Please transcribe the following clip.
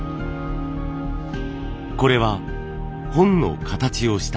これは本の形をした照明。